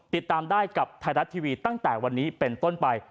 ติดตามได้กับไทยรัฐทีวีตั้งแต่วันนี้เป็นต้นไป